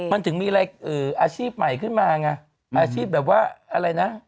มันถึงมีอะไรอาชีพใหม่ขึ้นมาไงอาชีพแบบว่าอะไรนะ